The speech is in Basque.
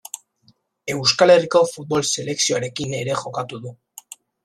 Euskal Herriko futbol selekzioarekin ere jokatu du.